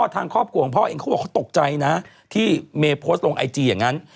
ทางครอบครัวของพ่อเองเขาบอกเขาตกใจนะที่เมย์โพสต์ลงไอจีอย่างนั้น